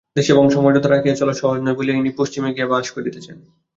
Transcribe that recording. দেশে বংশমর্যাদা রাখিয়া চলা সহজ নয় বলিয়া ইনি পশ্চিমে গিয়া বাস করিতেছেন।